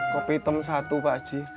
kopi hitam satu pak haji